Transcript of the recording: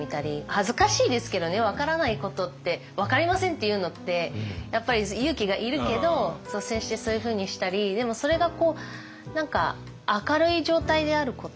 恥ずかしいですけどね分からないことって「分かりません」って言うのってやっぱり勇気がいるけど率先してそういうふうにしたりでもそれが何か明るい状態であること。